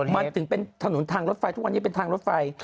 มันถึงเป็นถนนทางรถไฟทุกวันนี้เป็นทางรถไฟ